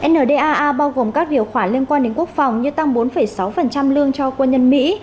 ndaa bao gồm các điều khoản liên quan đến quốc phòng như tăng bốn sáu lương cho quân nhân mỹ